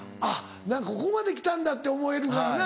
「ここまで来たんだ」って思えるからな。